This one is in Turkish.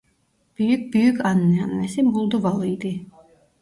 Büyük büyük anneannesi Moldovalı'ydı.